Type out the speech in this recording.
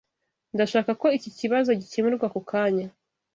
Ndashaka ko iki kibazo gikemurwa ako kanya.